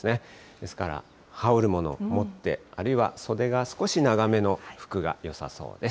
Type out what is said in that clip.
ですから、羽織るものを持って、あるいは、袖が少し長めの服がよさそうです。